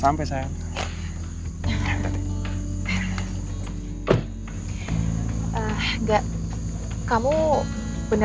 akhirnya kamu beli